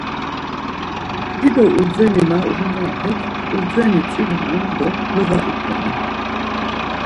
Dido urdzeni na uğunanpek urdzeni zlip̌uman do lova ikoman.